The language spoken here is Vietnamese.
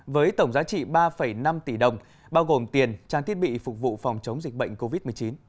với tổng giá trị ba năm tỷ đồng bao gồm tiền trang thiết bị phục vụ phòng chống dịch bệnh covid một mươi chín